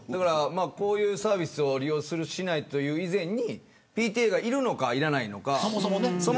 こういうサービスを利用するしないという以前にＰＴＡがいるのかいらないのか。